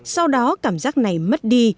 sau đó cảm giác này mất đi